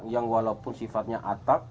yang walaupun sifatnya atap